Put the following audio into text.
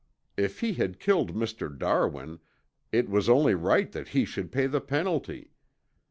If he had killed Mr. Darwin it was only right that he should pay the penalty.